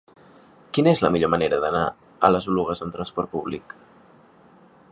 Quina és la millor manera d'anar a les Oluges amb trasport públic?